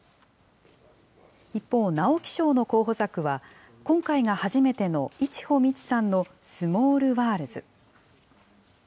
一方、直木賞の候補作は、今回が初めての一穂ミチさんのスモールワールズ。